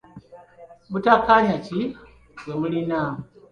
Butakkaanya ki bwe mulina?